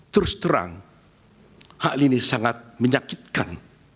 terus terang hal ini sangat menyakitkan